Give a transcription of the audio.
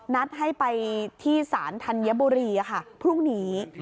นัดให้ไปที่ศาลธัญบุรีพรุ่งนี้